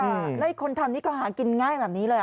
แล้วคนทำนี่ก็หากินง่ายแบบนี้เลย